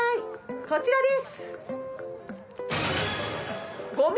こちらです！